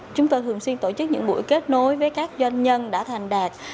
chúng tôi thường xuyên tổ chức những buổi kết nối với các doanh nhân đã thành đạt